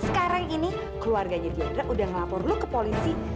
sekarang ini keluarganya diantar udah ngelapor lo ke polisi